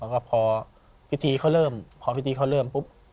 แล้วก็พอพิธีเขาเริ่มพอพิธีเขาเริ่มปุ๊บ